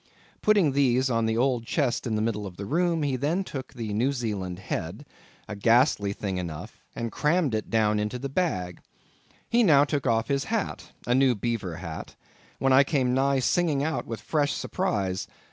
Placing these on the old chest in the middle of the room, he then took the New Zealand head—a ghastly thing enough—and crammed it down into the bag. He now took off his hat—a new beaver hat—when I came nigh singing out with fresh surprise.